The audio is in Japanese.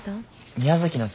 宮崎の時